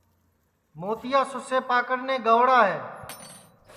موتِیا سُسئے پکڑنے گئوڑا ہے